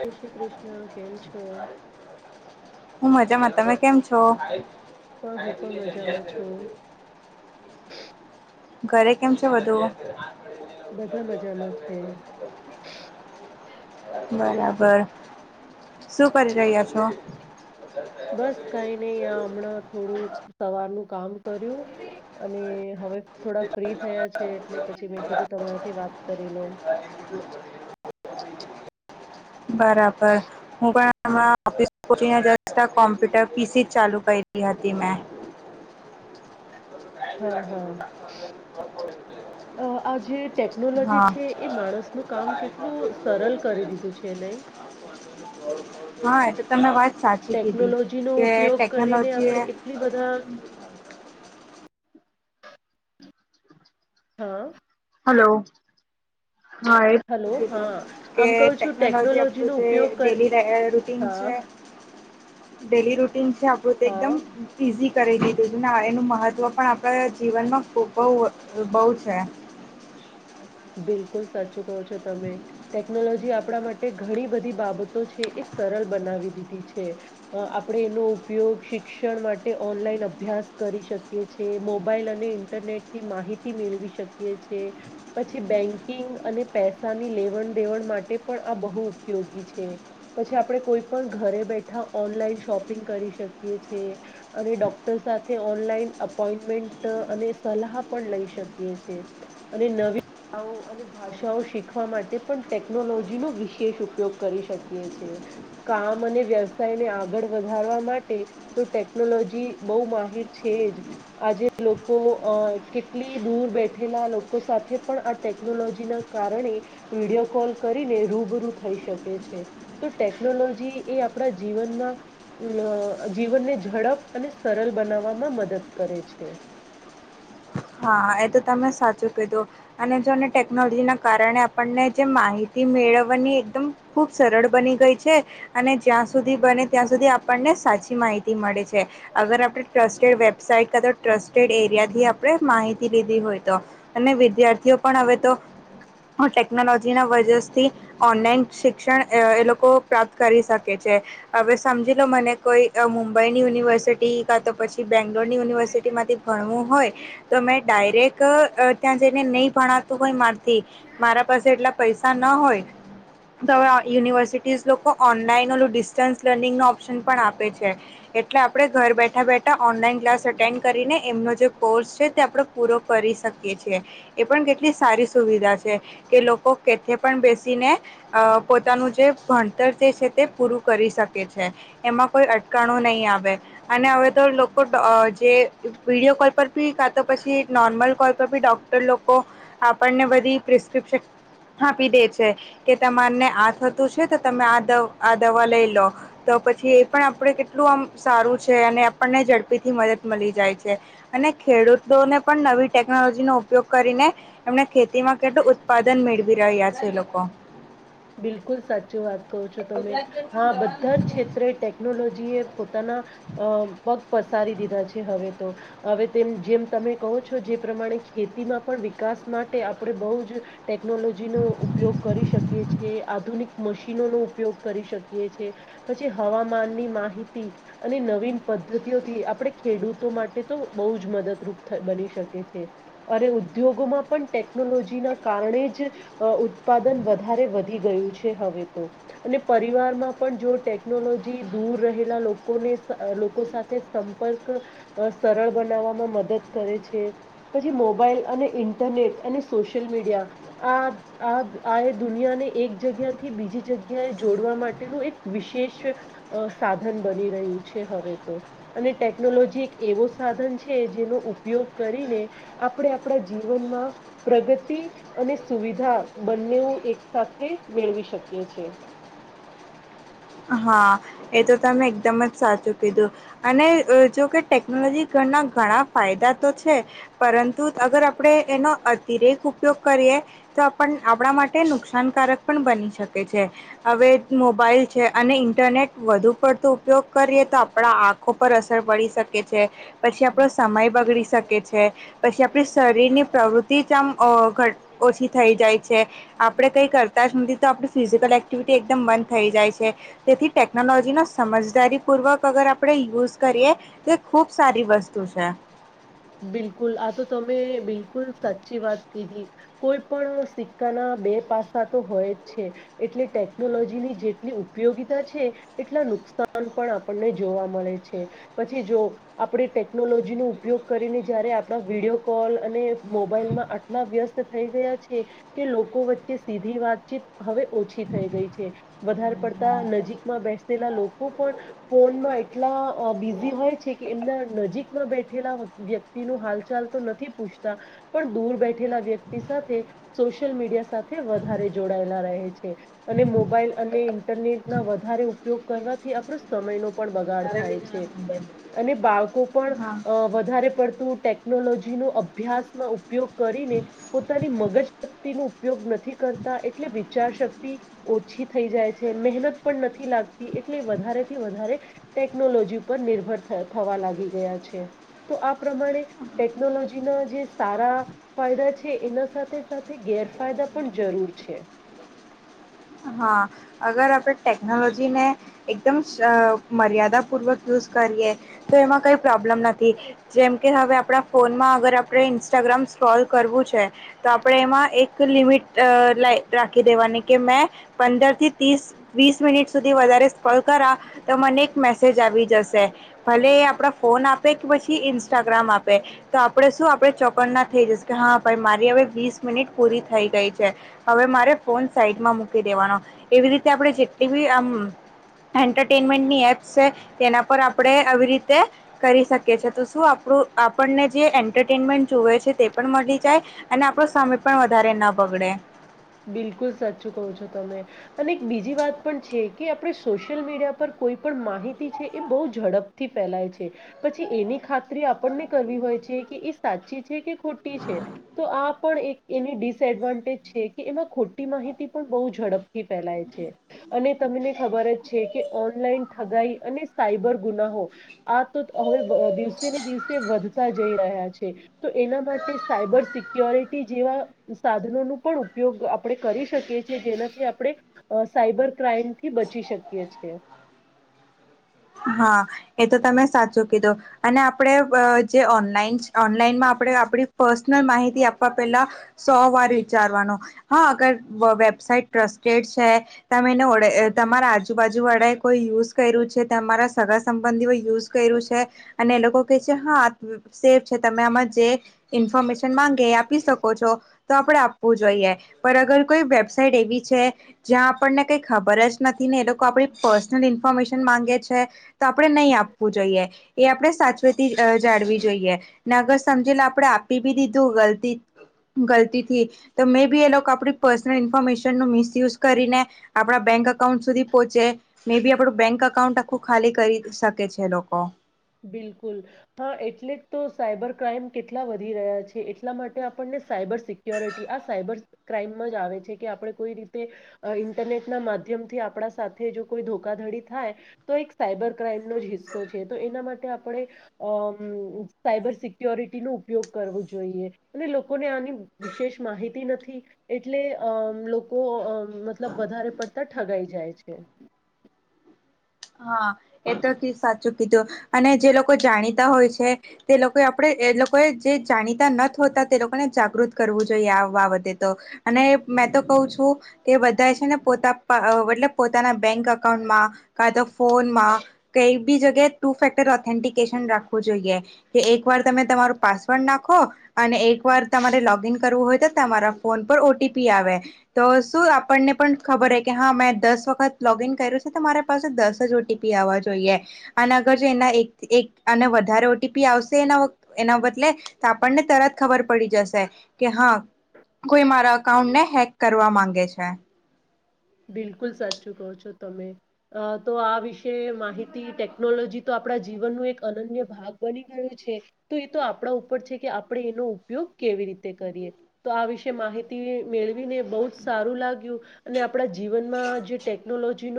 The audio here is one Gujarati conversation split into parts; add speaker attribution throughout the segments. Speaker 1: જય શ્રી કૃષ્ણ કેમ છો
Speaker 2: હું મજામાં તમે કેમ છો
Speaker 1: પણ હું પણ મજામાં છું
Speaker 2: ઘરે કેમ છે વધુ
Speaker 1: બધા મજામાં છે
Speaker 2: [inaudible] બરાબર શું કરી રહ્યા છો [inaudible]
Speaker 1: બસ કઈ નહી આ હમણાં થોડું સવારનું કામ કર્યું અને હવે થોડા ફ્રી થયા છે એટલે પછી મેં કીધું તમારાથી વાત કરી લો
Speaker 2: [inaudible] બરાબર હું પણણા ઓિસતા કોમ્પ્યુટર પીસીજ ચાલુ કરી હતી મેં
Speaker 1: [inaudible] હા હા અ, આ જે ટેકનોલોજી
Speaker 2: હા
Speaker 1: છે એ માણસનું કામ કેટલું સરળ કરી દીધું છે નહી
Speaker 2: હા એટ
Speaker 1: ટેકનોલોજીનોો ઉપયોગ કરીને
Speaker 2: ટેકનોલોજી
Speaker 1: આપણે
Speaker 2: એ
Speaker 1: કેટલી બધા [inaudible] [inaudible] હા
Speaker 2: હલો હા એ
Speaker 1: હલો
Speaker 2: કીધું
Speaker 1: હા
Speaker 2: કે
Speaker 1: આમ કહું છું
Speaker 2: ટેકનોલોજીપું
Speaker 1: ટેકનોલોજીનો
Speaker 2: જે
Speaker 1: ઉપયોગ કર
Speaker 2: ડેલી રૂટીન
Speaker 1: હા
Speaker 2: છે
Speaker 1: [inaudible]
Speaker 2: ડેલી રૂટીન છે આપડું તે
Speaker 1: હા
Speaker 2: એકદમ ઈઝી કરી દીધું છે એનું મહત્વ પણ આપણા જીવનમાં ખબ બ બહુ છે
Speaker 1: બિલકુલ સાચું કહો છો તમે ટેકનોલોજી આપણા માટે ઘણી બધી બાબતો છે સરળ બનાવી દીધી છે આપણે એનો ઉપયોગ શિક્ષણ માટે ઓનલાઈન અભ્યાસ કરી શકીએ છે મોબાઈલ અને ઇન્ટરનેટ થી માહિતી મેળવી શકી છે પછી બેન્કિંગ અને પૈસાની લેવણ દેવણ માટે પણ આ બહુ ઉપયોગી છે પછી આપણે કોઈ પણ ઘરે બેઠા ઓનલાઈન શોપિંગ કરી શકીએ છ છેએ અને ડોક્ટર્સ સાથે ઓનલાઈનપોઈન્ટમેન્ટ અને સલાહ પણ લઈ શકીએ છે અને નવી અને ભાષાઓ શીખવા માટે પણ ટેકનોલોજી નો વિશેષ ઉપયોગ કરી શકીએ છે કામ અને વ્યવસાયને આગળ વધારવા માટે તો ટેકનોલોજી બહ છે આજે લોકો કેટલી દૂર બેઠેલા લોકો સાથે પણ આ ટેકનોલોજી ના કારણે વિડીયો કોલ કરીને રૂબરૂ થઈ શકે છે ટેકનોલોજી એ આપણા જીવનમાં જીવનને ઝડપ અને સરળ બ બનાવામાં મદદ કરે છે
Speaker 2: હા એ તો તમે સાચું કીધું અને જોને ટેકનોલોજી ના કારણે આપણને જે માહિતી એ મેળવની એકદમ ખૂબ સરળ બની ગઈ છે અને જ્યાં સુધી બને ત્યાં સુધી આપણને સાચી માહિતી મળે છે અગર આપણે ટ્રસ્ટેડ વેબસાઇટ ક તો ટ્રસ્ટેડ એરિયાથી આપ માહિતી લીધી હોય તો અને વિદ્યાર્થીઓ પણ હવે તો ટેકનોલોજી ના વજથી ઓનલાઈન શિક્ષણ એ લોકો પ્રાપ્ત કરી શકે છે હવે સમજી લો મને કોઈ મુંબઈની યુનિવર્સિટી કા તો પછી બેંગ્લોરની યુનિવર્સિટી ટી માિત ભર્મો હો તો મેં ડાયરેક્ટ ત્યાં જઈને નહી ભણાતું હોય મારથી મારા પાસે એટલા પૈસા પૈસા ના હોય તો હવે યુનિવર્સિટીઝ લોકો ઓનલાઈન ઓલું ડિસ્ટન્સ લર્નિંગ નુ ઓપ્શન પણ આપે છે. એટલે આપડે ઘર બેઠા બેઠા ઓનલાઈન ક્લાસ અટેન્ડ કરીને એમનો જ કોર્સ છે તે આપણે પૂરો કરી શકીએ છીએ એ પણ કેટલી સારી સુવિધા છે, કે લોકો કેથે પણ બેસીને અ પોતાનું જે ભણતર જે છે તે પૂરું કરી શકે છે. એમાં કોઈ અટકણું નહીં આવે અને હવે તો લોકો અં જે વિડીયો કોલ પર બી કા તો પછી નોર્મલ કોલ પર બી ડોક્ટર લોકો આપણને બધી પ્રિસ્ક્રિપ્શન આપાી દે છે, કે તમારને આ થતું છે, તો તમે આ દ આ દવા લઈ લો તો પછી એ પણ આપે કેટલું આમ સારું છે, અને આપણને ઝડપી થી મદદ મળી જાય છે. અને ખેડૂતોને પણ નવી ટેકનોલોજી નો ઉપયોગ કરીને એમને ખેતીમાં કેટલું ઉત્પાદન મેળવી રહ્યા છે લોકો.
Speaker 1: બિલકુલ સાચી વાત કહો છો તમે હા બધા જ ક્ષેત્રે ટેકનોલોજી એ પોતાના અ પ ગ પસારી દીધા છે હવે તો હવે તેમ જેમ તમે કહો છો જે પ્રમાણે ખેતીમાં પણ વિકા સ માટે આપણે બહુ જ ટેકનોલોજી નો ઉપયોગ કરી શક કીએ આધુનિક મશીનો નો ઉપયોગ કરી શકીએ છે પછી હવામાનની માહિતી અને નવીન પદ્ધતિઓથી આપણે ખેડૂતો માટે તો બહુ જ મદદરૂપ થ બની શકે છે. અને ઉદ્યોગોમાં પણ ટેકનોલોજી ના કારણે જ ઉત્પાદન વધ ધારે વધી ગયું છે, હવે તો અને પરિવારમાં પણ જો ટેકનોલોજી દૂર રહેલા લોકોને લોકો સાથે સંપર્ક સરળ બનાવવામાં મદદ કરે છે. પછી મોબાઈલ અને ઇન્ટરનેટ અને સોશિયલ મીડિયા આ આ આ એ દુનિયાને એક જગ્યા થી બીજી જગ્યાએ જોડવા માટેનું એક વિશેષ અ સાધન બની રહ્યું છે હવે તો, અને ટેકનોલોજી એક એવો સાધન છે, જેનો ઉપયોગ કરી ને આપણા જીવનમાં પ્રગતિ અને સુવિધા બંને એ ક સાથે મેળવી શકીએ છે.
Speaker 2: હા એ તો તમે એકદમ જ સાચું કીધું અને અ જો કે ટેકનોલોજી ઘણા ઘણા ફાયદા તો છે, પરંતુ અગર આપણેે એનો અતિરેક ઉપયોગ કરીએ તો પણ આપણા માટે નુકસાનકારક પણ બની શકે છે હવે મોબાઈલ છે, છે અને ઇન્ટરનેટ વધુ પડતું ઉપયોગ કરીએ તો આપણા આંખો પર અસર પડી શકે છે, પછી આપડો સમય બગડી શકે છે, પછી આપણી શરીરની પ્રવૃત્તિ જ આમ ગ ઓછી થઈ જાય છે, આપડે કઈ કરતા જ નથી તો આપ ફિઝિકલ એક્ટિવિટી એકદમ બંધ થઇ જાય છે તેથી ટેકનોલોજી નો સમજદારી પૂર્વક અગર આપણે યુઝ કરીએ તો ખુબ સારી વસ્તુ છે.
Speaker 1: બિલકુલ આ તો તમે બિલકુલ સાચી વાત કીધી કોઈ પણ સિક્કાના બે પાસા તો હોય જ છે, એટલે ટેકનોલોજીની જેટલી ઉપયોગિતા છે, એટલા નુકસાન પણ આપણને જોવા મળે છે પછી જો આપણે ટેકનોલોજી નો ઉપયોગ કરીને જયારે આપણા વિડીયો કોલ અને મોબાઈલમાં આટલા વ્યસ્ત થઈ ગયા છે કે લો કો વચ્ચે સીધી વાતચીત હવે ઓછી થઈ ગઈ છે, વધારે પડતા નજીકમાં બેસેલા લોકો પણ ફોનમાં એટલા બિઝી હોય છે, કે એમના નજીકમાં બેઠેલા વ્યક્તિ નો હાલચાલ તો નથી પૂછતા પણ દૂર બેઠેલા વ્યક્તિ સાથે સોશિયલ મીડિયા સાથે વધારે જોડાયેલા રહે છે, અને મોબાઈલ અને ઇન્ટરનેટ ના વધારે ઉપયોગ કરવાથી થી આપડો સમય નો પણ બગાડ થાય છે, અને બાળકો પણ
Speaker 2: હા
Speaker 1: અ અ વધારે પડતું ટેકનોલોજી નુ અભ્યાસમાં ઉપયોગ કરીને પોતાની મગજ શક્તિનું ઉપયોગ નથી કરતા એટલે વિચાર શક્તિ ઓછી થઈ જાય છે, મહેનત પણ નથી લાગતી એટલે વધારેથી વધારે ટેકનોલોજી પર નિર્ભર થ થવા લાગી ગયા છે. તો આ પ્રમાણે ટેકનોલોજીના જે સારા ફાયદા છે, એના સાથે સાથે ગેરફાયદા પણ જરૂર છે.
Speaker 2: હા અગર આપણે ટેકનોલોજીને એકદમ અ મર્યાદાપૂર્વક યુઝ કર રીએ તો એમાં કઈ પ્રોબ્લમ નથી જેમ કે હવે આપણા ફોનમાં અગર આપણે ઇન્સ્ટાગ્રામ સોલ્વ કરવું છે તો આપણે એમાં એક લિમિટ લ રાખી દેવાની કે મેં પંદરથી ત્રીસ વીસ મિનિટ સુધી વધારે સ્કોલ કરા તો મને એક મેસેજ આવી જશે ભલે એ આપડા ફોન આપે કે પછી ઇન્સ્ટાગ્રામ આપે તો આપડે શું આપડે ચોકડ ના થઈ જ હા ભાઈ મારી હવે વીસ મિનિટ પૂરી થઈ ગઈ છે હવે મારે ફોન સાઈડમાં મુૂકી દેવાનો એવી રીતે આપડણે જેટલી બી આમ એન્ટરટેનમેન્ટની એપ્સ છે તેના પર આપણે આવી રીતે કરી શકીએ છીએ તો શું આપ આપણું આપણને જે એન્ટરટેનમેન્ટ જુએ છે તે પણ મળી જાય અને આપણો સમય પણ વધારે ન ભગે અવડ
Speaker 1: બિલકુલ સાચું કહો છો તમે અને એક બીજી વાત પણ છે કે આપણે સોશિયલ મીડિયા પર કોઈ પણ માહિતી છે એ બહુ ઝડપ થી ફેલાય છે પછી એની ખાત આપને કરવી હોય છે કે સાચી છે કે ખોટી છે તો આ એક એની ડિસએડવાન્ટેજ છે કે એમાં ખોટી માહિતી પણ બહુ ઝડપથી ફેલાય છે અને તમને ખબર જ છે કે ઓનલાઈન ઠગાઈ અને સાયબર ગુનાહો આ તો હવે દિવસે ને દિવસે વધતા જઈ રહ્યા છે તો એના માટે સાયબર સિક્યોરિટી જેવા સાધનો ન પણ ઉપયોગ આપણે કરીશ શકીએ છીએ જેનાથી આપણે અ સાઈબર ક્રાાઈમ થી બચી શકીએીએ
Speaker 2: હા એ તો તમે સાચું કીધું અને આપડે જે ઓનલાઈન ઓનલાઈનમાં આપ આપ પર્સનલ માહિતી આપવા પેલા સો વાર વિચારવાનો હા અગર વેબાઈટ ટ્રસ્ટેડ છે તમેને તમારા આજુબાજુ વાળે કોઈ યુઝ કર્યું છે તમારા સગા સંબંધીઓ યુઝ કર્યું છે અને એ લોકો કહે છે હા સેફ છે તમે આમાં જે ઇન્ફોર્મેશન માંગે એ આપી શકો છો તો આપણેે આપવું જોઈએ પર અગર કોઈ વેબસાઇટ એવી છે જ્યાં આપણને કઈ ખબર જ નથી ને એ લોકો આપડી પર્સનલ ઇન્ફોર્મેશન માંગે છે તો આપણે નહી આપવું જોઈએ એ આપણે સાચવેથી જાળવી જોઈએ ને અગર સમજી પે આપડે આપી બી દીધું ગલતી ગલતીથી તો મે બી એ લોકો આપણી પર્સનલ ઇન્ફોર્મેશન ન મિસયુઝ કરીને આપણા બેંક અકાઉન્ટ સુધી પહોંચે મે બી આપડું બેંક અકાઉન્ટ આખું ખાલી કરી શકે છે લોકો
Speaker 1: બિલકુલ હા એટલે જ તો સાયબર ક્રાઈમ કેટલા વધી રહ્યા છે એટલા માટે આપણને સાયબર સિક્યોરિટી આ સાયબર ક્રાઈમ જ આવે છે કે આપણે કોઈ રીતે ઇન્ટરનેટના માધ્યમ થી આપ સાથે જો કોઈ ધોકધડી થાય તો એક સાયબર ક્રાઈમ નો જ હિસ્સો છે તો એના માટે આપણે અ સાયબર સિક્યોરિટી નો ઉપયોગ કરવો જોઈએ લોકોને આ વિશેષ માહિતી નથી એટલે લોકો મતલબ વધારે પડતા ઠગાઈ જાય છે
Speaker 2: હા એ તો સાચું કીધું અને જે લોકો જાણીતા હોય છે તે લોકો આપણેે એ લોકોએ જે જાણીતા ન થ હોતા તે લોકોને જાગૃત કરવું જોઈએ આ બાબતે તો અને મેં તો કહું છું કે વધધારે છે ને પોતા મતલેબ પોતાના બેંક અકાઉન્ટમાં કા તો ફોનમાં કઈ બી જગ્યાએ ટુ ફેક્ટર ઓથેન્ટિકેશન રાખવું જોઈએ કે એક વાર તમે તમારું પાસવર્ડ નાખો અને એક વાર તમારે લોગ ઇન કરવું હોય તો તમારા ફોન પર ઓટીપી આવે તો શું આપણને પણ ખબર હ કે હા મેં દસ વખત લોગ ન કર્યું છે તો મારે દસ જ ઓટીપી આવવા જોઈએ અને આગર જો એના અને વધારે ઓટીપી આવશે એના બદલે આપણને તરત ખબર પડી જશે કે હા કોઈ મારા અકાઉન્ટને હેક કરવા માંગે છે
Speaker 1: બિલકુલ સાચું કહો છો તમે તો આ વિશે માહિતી ટેકનોલોજી તો આપણા જીવન ન એક અનન્ય ભાગ બની ગયયો છે તો એ તો આપણા ઉપર છે કે આપણે એનો ઉપયોગ કેવી રીતે કરીએ તો આ વિશે માહિતી મેળવીને બહ જ સારું લાગ્યું અને આપણા જીવનમાં જે ટેકનોલોજી ન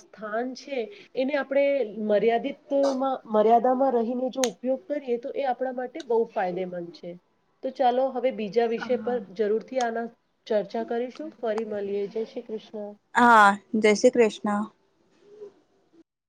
Speaker 1: સ્થાન છે એને આપણે મર્યાદ મર્યાદિતમાં મર્યાદામાં રહીને જો ઉપયોગ કરીએ તો એ આપણા માટે બહુ ફાયદેમંદ છે તો ચાલો હવે બીજા વિષય પર
Speaker 2: હા.
Speaker 1: જરૂરથી આના ચર્ચા કરીશું ફરી મળીએ જ શ્રી કૃષ્ણ
Speaker 2: હા જય શ્રી કૃષ્ણ